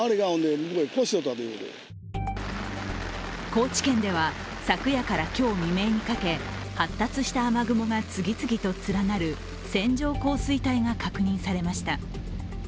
高知県では昨夜から今日未明にかけ発達した雨雲が次々と連なる線状降水帯が確認されました。